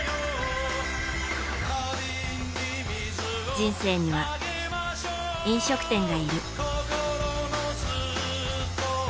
人生には、飲食店がいる。